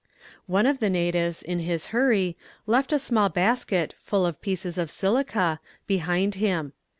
"One of the natives, in his hurry, left a small basket, full of pieces of silica, behind him.